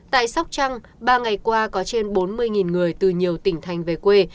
tại sóc trăng ba ngày qua có trên bốn mươi người từ nhiều tỉnh thành về quê